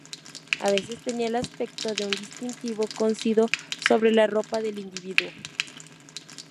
A veces tenían el aspecto de un distintivo cosido sobre la ropa del individuo.